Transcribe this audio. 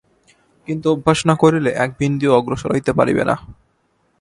কিন্তু অভ্যাস না করিলে এক বিন্দুও অগ্রসর হইতে পারিবে না।